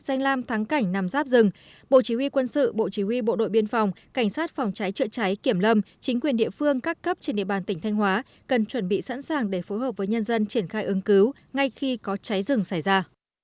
giáo dự bộ chỉ huy bộ đội biên phòng cảnh sát phòng cháy chữa cháy kiểm lâm chính quyền địa phương các cấp trên địa bàn tỉnh thanh hóa cần chuẩn bị sẵn sàng để phối hợp với nhân dân triển khai ứng cứu ngay khi có cháy rừng xảy ra